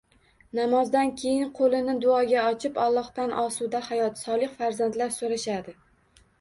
Namozdan keyin qo‘lni duoga ochib, Allohdan osuda hayot, solih farzandlar so‘rashadi.